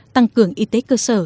tăng cường y tế cơ sở